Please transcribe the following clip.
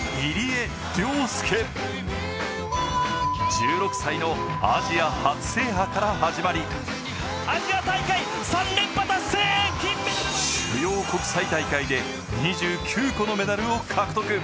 １６歳のアジア初制覇から始まり主要国際大会で２９個のメダルを獲得。